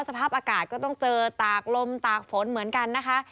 สภาพอากาศก็ต้องเจอตากลมตากฝนเหมือนกันนะคะ